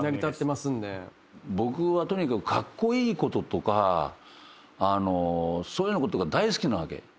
僕はとにかくカッコイイこととかそういうようなことが大好きなわけ。